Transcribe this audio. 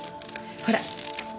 ほら。